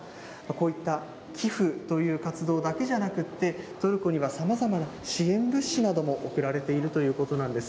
こういった寄付という活動だけじゃなくて、トルコにはさまざまな支援物資なども送られているということなんです。